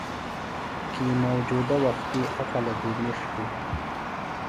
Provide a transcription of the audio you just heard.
کی موجودہ وختی اقلہ دی نِݜکیۡ